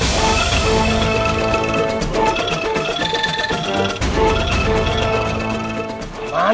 mana mereka pagi